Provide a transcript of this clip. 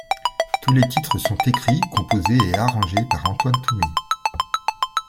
Tous les titres sont écrits, composés et arrangés par Antoine Tomé.